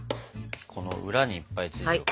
この裏にいっぱいついてるから。